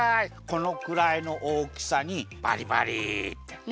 このくらいのおおきさにバリバリ。